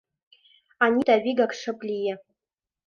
Анита вигак шып лие.